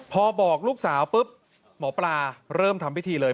พอบอกลูกสาวปุ๊บหมอปลาเริ่มทำพิธีเลย